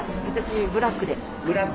私ブラックで。